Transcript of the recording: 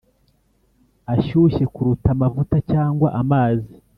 ashyushye kuruta amavuta cyangwa amazi,